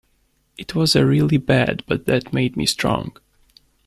It was really bad, but that made me strong.